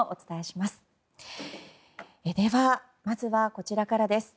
まずはこちらからです。